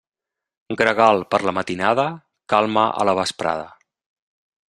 Gregal per la matinada, calma a la vesprada.